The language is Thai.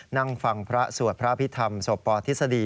นั่งฟังภรระสวดพระภิธธรรมสวดปหภิธษฎี